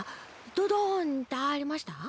ドドンってありました？